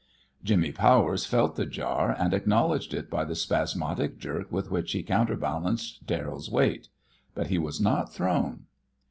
Jimmy Powers felt the jar, and acknowledged it by the spasmodic jerk with which he counterbalanced Darrell's weight. But he was not thrown.